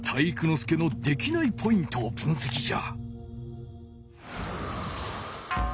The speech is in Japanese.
介のできないポイントを分せきじゃ。